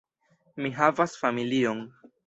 Mi havas familion.